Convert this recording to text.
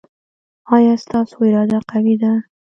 ایا ستاسو اراده قوي ده؟